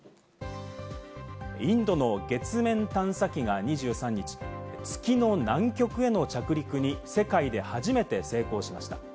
インドの月面探査機が２３日、月の南極への着陸に世界で初めて成功しました。